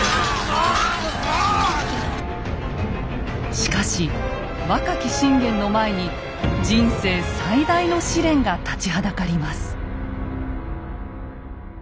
しかし若き信玄の前に人生最大の試練が立ちはだかります。